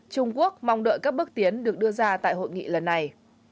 trung quốc mong đợi các bước tiến được đưa ra tại hội nghị lần này